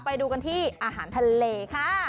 ไปดูกันที่อาหารทะเลค่ะ